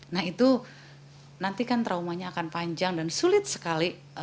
nah itu nanti kan traumanya akan panjang dan sulit sekali